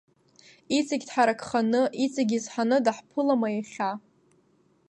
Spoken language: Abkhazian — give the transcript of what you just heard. Иҵагьы дҳаракханы, иҵагьы изҳаны даҳԥылама иахьа?